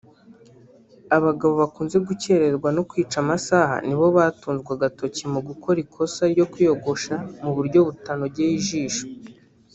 Abagabo bakunze gukererwa no kwica amasaha nibo batunzwe agatoki mu gukora ikosa ryo kwiyogosha mu buryo butanogeye ijisho